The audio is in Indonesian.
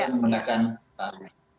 dan menggunakan tali